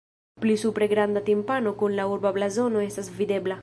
Pli supre granda timpano kun la urba blazono estas videbla.